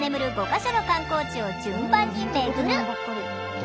５か所の観光地を順番に巡る！